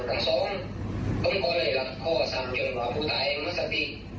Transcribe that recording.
เป็นธุรกิจสำหรับใต้๓๐๐บาท